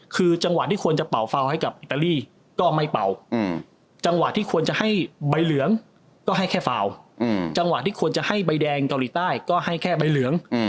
ก็ให้แค่ฟาวอืมจังหวะที่ควรจะให้ใบแดงเกาหลีใต้ก็ให้แค่ใบเหลืองอืม